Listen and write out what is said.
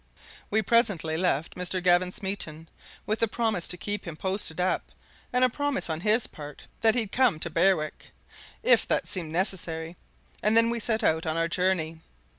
We presently left Mr. Gavin Smeaton, with a promise to keep him posted up, and a promise on his part that he'd come to Berwick, if that seemed necessary; and then we set out on our journey.